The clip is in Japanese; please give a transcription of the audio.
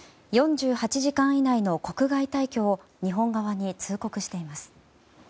４８時間以内の国外退去を日本側に通告しています。